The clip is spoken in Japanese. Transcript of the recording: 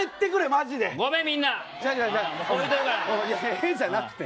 「え」じゃなくて。